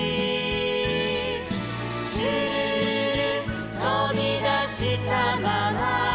「シュルルルとびだしたまま」